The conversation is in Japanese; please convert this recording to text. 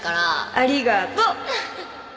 ありがとう！